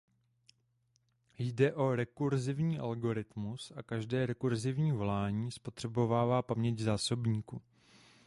Jde o rekurzivní algoritmus a každé rekurzivní volání spotřebovává paměť zásobníku.